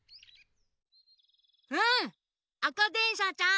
うん！